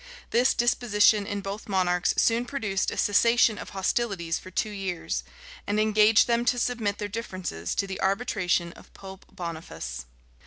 This disposition in both monarchs soon produced a cessation of hostilities for two years; and engaged them to submit their differences to the arbitration of Pope Boniface.